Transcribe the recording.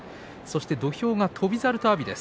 土俵は翔猿と阿炎です。